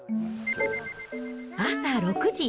朝６時。